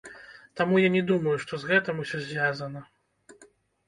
Таму я не думаю, што з гэтым усё звязана.